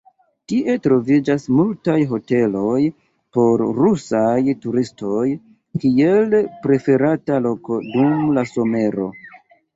Tie troviĝas multaj hoteloj por rusaj turistoj, kiel preferata loko dum la somero.